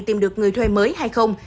tìm được người thuê mới hay không